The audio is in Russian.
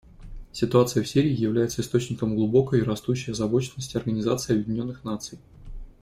Ситуация в Сирии является источником глубокой и растущей озабоченности Организации Объединенных Наций.